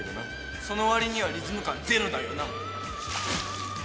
その割にはリズム感ゼロだよな。